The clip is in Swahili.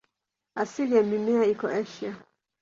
Asili ya mimea iko Asia.